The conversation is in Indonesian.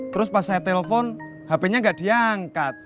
terus pas saya telepon hpnya nggak diangkat